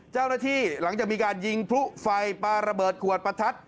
เจ้าหน้าที่หลังจากมีการยิงพลุไฟปลาระเบิดขวดประทัด